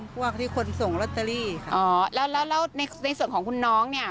พวกที่คนส่งลอตเตอรี่ค่ะอ๋อแล้วแล้วในในส่วนของคุณน้องเนี่ย